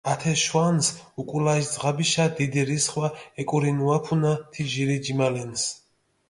ათე შვანს უკულაში ძღაბიშა დიდი რისხვა ეკურინუაფუნა თი ჟირი ჯიმალენს.